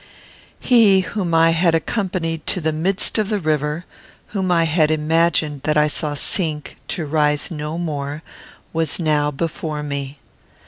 He whom I had accompanied to the midst of the river; whom I had imagined that I saw sink to rise no more, was now before me.